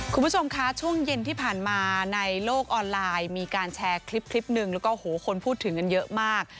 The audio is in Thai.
คุณผู้ชมคะช่วงเย็นที่ผ่านมาในโลกออนไลน์มีการแชร์คลิปหนึ่งแล้วก็โหคนพูดถึงกันเยอะมาก